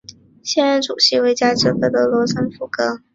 现任主席为来自芝加哥的罗森博格。